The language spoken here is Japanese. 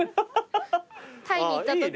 タイに行ったとき